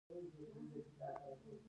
باسواده ښځې د رشوت پر وړاندې مبارزه کوي.